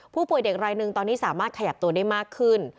ผู้ป่วยเด็กรายหนึ่งตอนนี้สามารถขยับตัวได้มากขึ้น